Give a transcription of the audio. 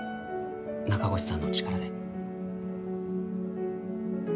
中越さんの力で。